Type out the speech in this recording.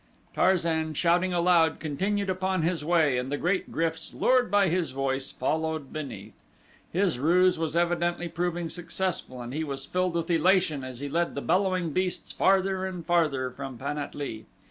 Tarzan, shouting aloud, continued upon his way and the great gryfs, lured by his voice, followed beneath. His ruse was evidently proving successful and he was filled with elation as he led the bellowing beasts farther and farther from Pan at lee.